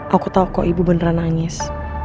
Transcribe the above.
aku tahu kok ibu beneran nangis